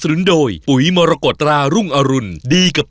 เออซอสเป็นอะไรอ่ะคะ